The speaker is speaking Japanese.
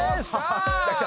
来た来た。